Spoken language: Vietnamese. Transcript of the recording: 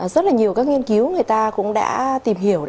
rất là nhiều các nghiên cứu người ta cũng đã tìm hiểu